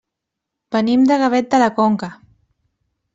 Venim de Gavet de la Conca.